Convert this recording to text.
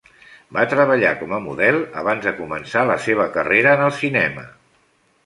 Va Treballar com a model abans de començar la seva carrera en el cinema.